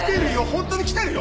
ホントに来てるよ！